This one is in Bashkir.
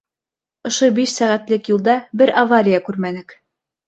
Ошо биш сәғәтлек юлда бер авария күрмәнек.